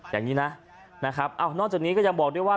อย่างนี้นะนะครับนอกจากนี้ก็ยังบอกด้วยว่า